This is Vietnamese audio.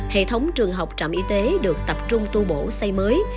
hệ thống trường học trạm y tế được tập trung tu bổ xây mới